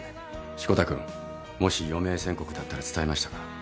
志子田君もし余命宣告だったら伝えましたか？